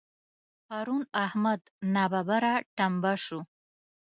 پرون احمد ناببره ټمبه شو.